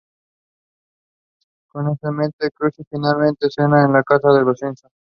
Con eso en mente, Krusty finalmente cena en la casa de los Simpson.